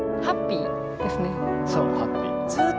そうハッピー。